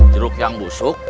jeruk yang busuk